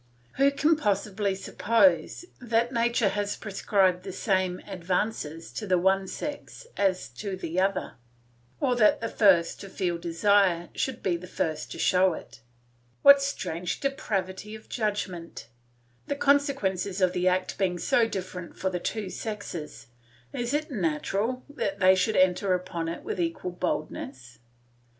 Who can possibly suppose that nature has prescribed the same advances to the one sex as to the other, or that the first to feel desire should be the first to show it? What strange depravity of judgment! The consequences of the act being so different for the two sexes, is it natural that they should enter upon it with equal boldness?